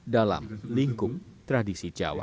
dalam lingkup tradisi jawa